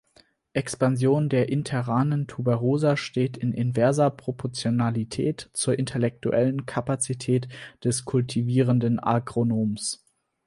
Expansion der interranen Tuberosa steht in inverser Proportionalität zur intellektuellen Kapazität des kultivierenden Agronoms.